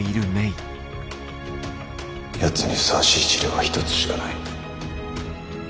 やつにふさわしい治療は一つしかない。